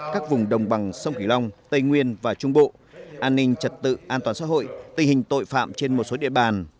các vùng đồng bằng sông kỳ long tây nguyên và trung bộ an ninh trật tự an toàn xã hội tình hình tội phạm trên một số địa bàn